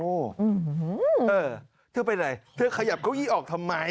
อื้อที่ไปไหนเธอขยับเก้าหี้ออกทำไม